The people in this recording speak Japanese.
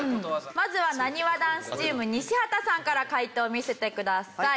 まずはなにわ男子チーム西畑さんから解答見せてください。